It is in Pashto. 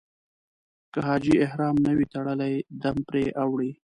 که حاجي احرام نه وي تړلی دم پرې اوړي.